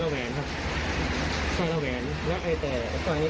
ใช่ครับไส้กระแหวนแล้วไอ้แต่ไอ้กล้องนี้